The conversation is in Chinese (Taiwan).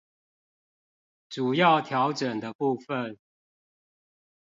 主要調整的部分